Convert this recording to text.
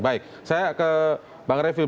baik saya ke bang refli